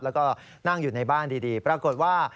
แล้วก็นั่งอยู่ในบ้านดีปรากฏว่า